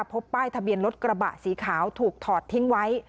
พบป้ายทะเบียนรถกระบะสีขาวถูกถอดทิ้งไว้